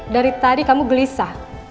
dari tadi kamu gelisah